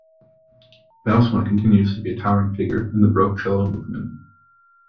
Bylsma continues to be a towering figure in the baroque cello movement.